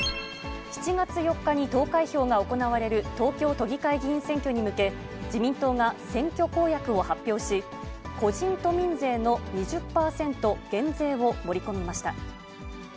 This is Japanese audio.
７月４日に投開票が行われる東京都議会議員選挙に向け、自民党が選挙公約を発表し、個人都民税の２０％減税を盛り込みました。